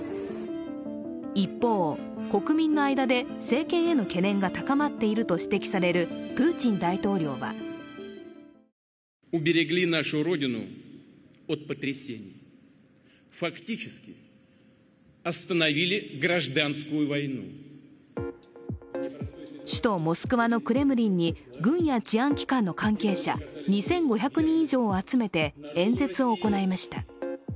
一方、国民の間で政権への懸念が高まっていると指摘されるプーチン大統領は首都モスクワのクレムリンに軍や治安機関の関係者２５００人以上を集めて演説を行いました。